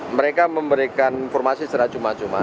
mereka memberikan informasi secara cuma cuma